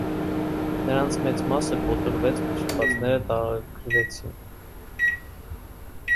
Նրանց մեծ մասը կոտորվեց, փրկվածները տարագրվեցին։